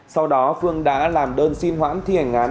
sau đó phương đã làm đơn xin hoãn thi hành án